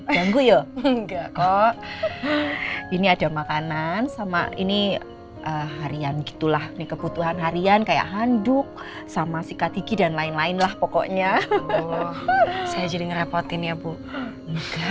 sombong banget sih jadi orang